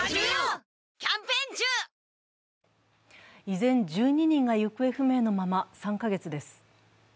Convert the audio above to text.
依然、１２人が行方不明のまま３カ月です。